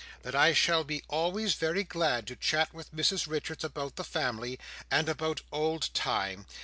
That I shall be always very glad to chat with Mrs Richards about the family, and about old time.